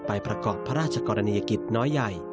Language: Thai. ประกอบพระราชกรณียกิจน้อยใหญ่